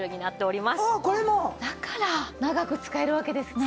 だから長く使えるわけですね。